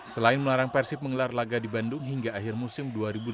selain melarang persib menggelar laga di bandung hingga akhir musim dua ribu delapan belas